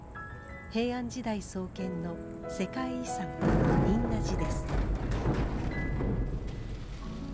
平安時代創建の世界遺産仁和寺です。